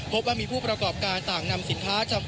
พบว่ามีผู้ประกอบการต่างที่มีหนัมสินค้า